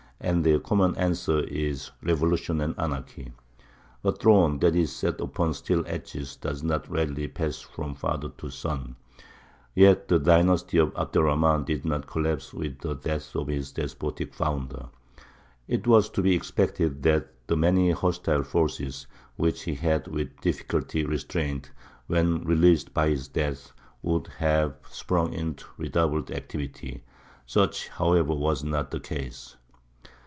And the common answer is, Revolution and anarchy. A throne that is set upon steel edges does not readily pass from father to son. Yet the dynasty of Abd er Rahmān did not collapse with the death of its despotic founder. It was to be expected that the many hostile forces which he had with difficulty restrained, when released by his death, would have sprung into redoubled activity. Such, however, was not the case.